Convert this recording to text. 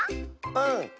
うん！